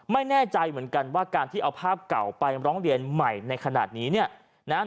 ไม่แน่ใจเหมือนกันว่าการที่เอาภาพเก่าไปร้องเรียนใหม่ในขณะนี้เนี่ยนะ